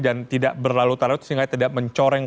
dan tidak berlalu tarut sehingga tidak mencoreng